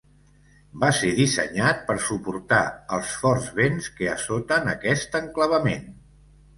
Va ser dissenyat per suportar els forts vents que assoten aquest enclavament.